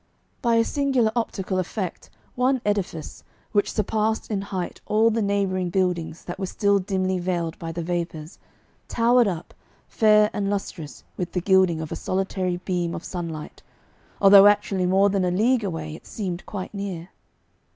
By a singular optical effect one edifice, which surpassed in height all the neighbouring buildings that were still dimly veiled by the vapours, towered up, fair and lustrous with the gilding of a solitary beam of sunlight although actually more than a league away it seemed quite near.